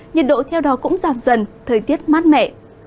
nhiệt độ theo đó cũng giảm dần thời tiết mát mẻ